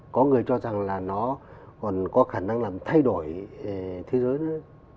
có người cho rằng là nó còn có khả năng làm thay đổi thế giới nữa